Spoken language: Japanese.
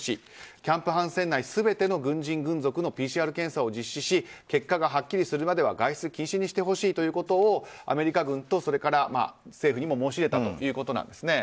キャンプ・ハンセン内全ての軍人・軍属のＰＣＲ検査を実施し結果がはっきりするまで外出禁止にしてほしいとアメリカ軍と政府にも申し入れたということです。